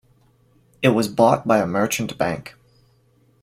It was bought by a merchant bank.